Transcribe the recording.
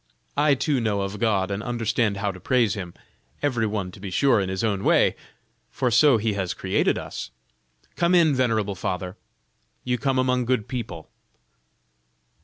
I too know of God and understand how to praise Him; every one to be sure in his own way, for so He has created us. Come in, venerable father; you come among good people."